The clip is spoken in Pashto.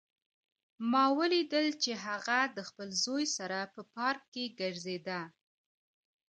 ما ولیدل چې هغه د خپل زوی سره په پارک کې ګرځېده